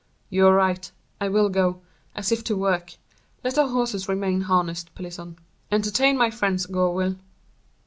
"You are right. I will go in, as if to work; let the horses remain harnessed, Pelisson. Entertain my friends, Gourville."